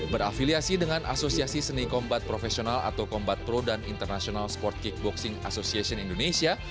berafiliasi dengan asosiasi seni kombat profesional atau kombat pro dan international sport kickboxing association indonesia